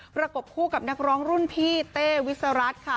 ประกบคู่กับนักร้องรุ่นพี่เต้วิสรัฐค่ะ